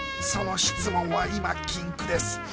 その質問は今禁句です！